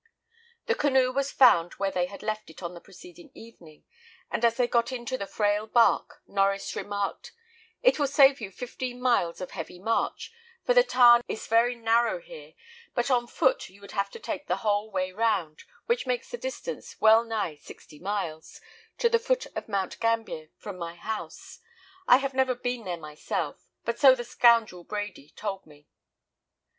The canoe was found where they had left it on the preceding evening; and as they got into the frail bark, Norries remarked, "It will save you fifteen miles of heavy march, for the tarn is very narrow here; but on foot you would have to take the whole way round, which makes the distance well nigh sixty miles, to the foot of Mount Gambier from my house, I have never been there myself, but so the scoundrel Brady told me."